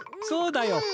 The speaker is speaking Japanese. そうだよ